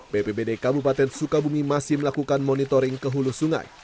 bpbd kabupaten sukabumi masih melakukan monitoring ke hulu sungai